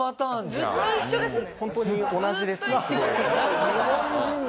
ずっと一緒ですね。